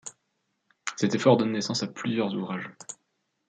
Cet effort donne naissance à plusieurs ouvrages.